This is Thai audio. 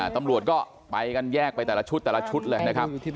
ตำรวจก็ไปกันแยกไปแต่ละชุดแต่ละชุดเลยนะครับ